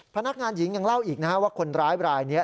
พนักงานหญิงยังเล่าอีกนะฮะว่าคนร้ายบรายนี้